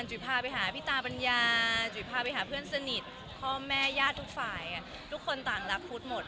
จุ๋ยพาไปหาพี่ตาปัญญาจุ๋ยพาไปหาเพื่อนสนิทพ่อแม่ญาติทุกฝ่ายทุกคนต่างรักพุทธหมด